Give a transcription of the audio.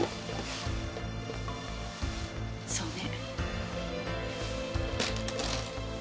そうね。